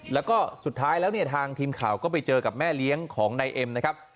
แล้วก็สุดท้ายแล้วเนี่ยทางทีมข่าวก็ไปเจอกับแม่เลี้ยงของนายเอ็มนะครับ